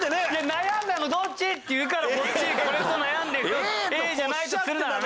悩んだのどっち？っていうからこっちこれと悩んでるＡじゃないとするならね。